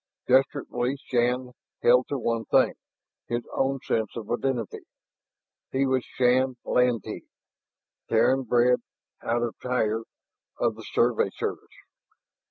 Desperately Shann held to one thing, his own sense of identity. He was Shann Lantee, Terran breed, out of Tyr, of the Survey Service.